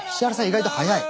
意外と早い。